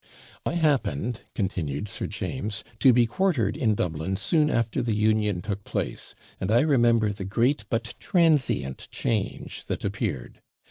'I happened,' continued Sir James, 'to be quartered in Dublin soon after the Union took place; and I remember the great but transient change that appeared.